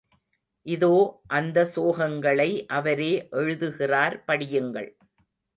இதோ அந்த சோகங்களை அவரே எழுதுகிறார் படியுங்கள்.